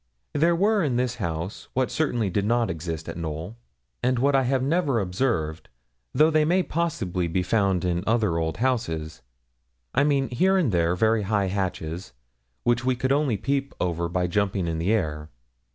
There were in this house, what certainly did not exist at Knowl, and what I have never observed, though they may possibly be found in other old houses I mean, here and there, very high hatches, which we could only peep over by jumping in the air.